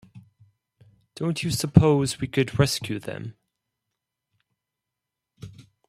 Don't you suppose we could rescue them?